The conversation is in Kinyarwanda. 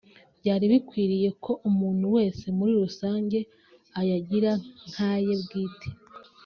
byari bikwiriye ko umuntu wese muri rusange ayagira nkáye bwite